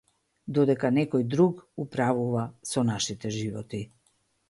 Додека некој друг управува со нашите животи.